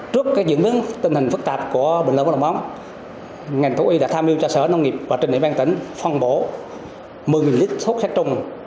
trước những tình hình phức tạp của bệnh lỡ mồm long móng ngành thú y đã tham mưu cho sở nông nghiệp và trịnh địa bàn tỉnh phòng bổ một mươi lít thuốc chắc trùng